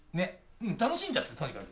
楽しんじゃってとにかく。